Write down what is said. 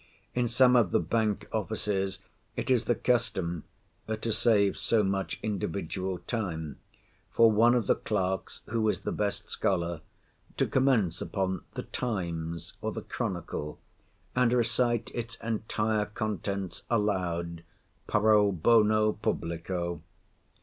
In some of the Bank offices it is the custom (to save so much individual time) for one of the clerks—who is the best scholar—to commence upon the Times, or the Chronicle, and recite its entire contents aloud pro bono publico.